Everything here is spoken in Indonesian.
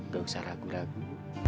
gak usah ragu ragu